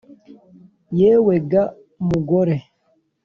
Yewe ga mugore,